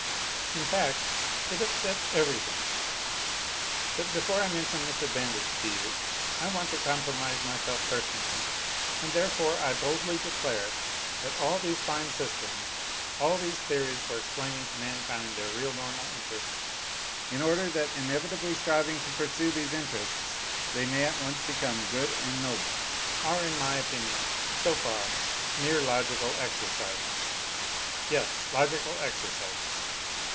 In fact, it upsets everything. But before I mention this advantage to you, I want to compromise myself personally, and therefore I boldly declare that all these fine systems, all these theories for explaining to mankind their real normal interests, in order that inevitably striving to pursue these interests they may at once become good and noble are, in my opinion, so far, mere logical exercises ! Yes, logical exercises.